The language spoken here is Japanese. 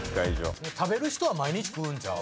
食べる人は毎日食うんちゃう？